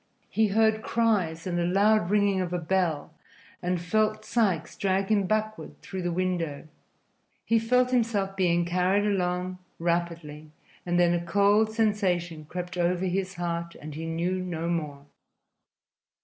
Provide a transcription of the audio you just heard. He heard cries and the loud ringing of a bell and felt Sikes drag him backward through the window. He felt himself being carried along rapidly, and then a cold sensation crept over his heart and he knew no more.